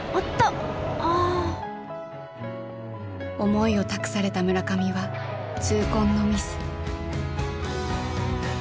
思いを託された村上は痛恨のミス。